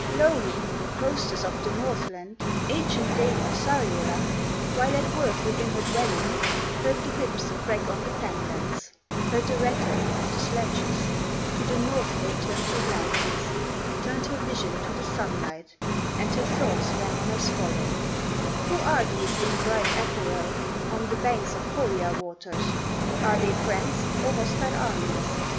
Louhi, hostess of the Northland, Ancient dame of Sariola, While at work within her dwelling, Heard the whips crack on the fenlands, Heard the rattle of the sledges; To the northward turned her glances, Turned her vision to the sunlight, And her thoughts ran on as follow: "Who are these in bright apparel, On the banks of Pohya waters, Are they friends or hostile armies?"